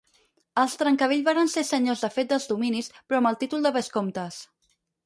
Els Trencavell varen ser senyors de fet dels dominis però amb el títol de vescomtes.